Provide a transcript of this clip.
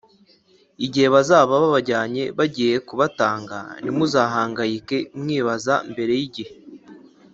igihe bazaba babajyanye bagiye kubatanga ntimuzahangayike mwibaza mbere y igihe